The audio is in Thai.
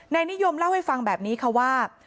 นิยมเล่าให้ฟังแบบนี้ค่ะว่า